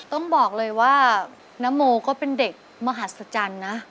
ต้องบอกเลยว่านโมก็เป็นเด็กมหัศจรรย์นะ